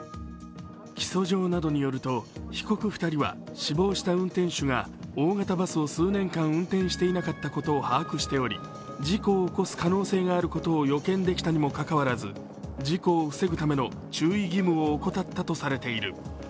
起訴状などによると被告２人は死亡した運転手が大型バスを数年間運転していなかったことを把握しており事故を起こす可能性があることを予見できたにもかかわらず事故を防ぐための注意義務を怠ったとされている。